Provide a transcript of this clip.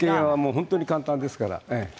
本当に簡単ですから。